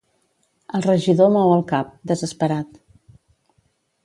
El regidor mou el cap, desesperat.